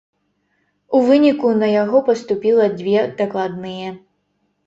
У выніку на яго паступіла дзве дакладныя.